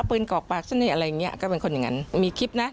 ปืนกอกปากซะเนี้ยอะไรเงี้ยก็เป็นคนอย่างงั้นมีคลิปนะ